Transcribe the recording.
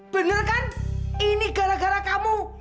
bener kan ini gara gara kamu